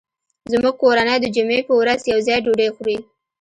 زموږ کورنۍ د جمعې په ورځ یو ځای ډوډۍ خوري